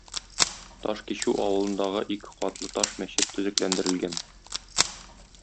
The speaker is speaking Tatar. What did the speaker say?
Ташкичү авылындагы ике катлы таш мәчет төзекләндерелгән.